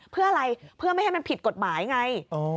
เพื่ออะไรเพื่อไม่ให้มันผิดกฎหมายไง